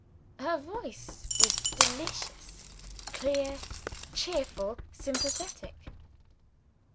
Her voice was delicious clear, cheerful, sympathetic.